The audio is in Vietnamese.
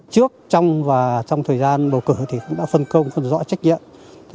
trước trong và trong thời gian bầu cử thì cũng đã phân công rõ trách nhiệm